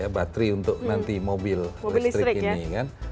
bateri untuk nanti mobil listrik ini